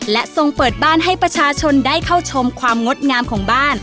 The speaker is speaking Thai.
และทรงเปิดบ้านให้ประชาชนได้เข้าชมความงดงามของบ้าน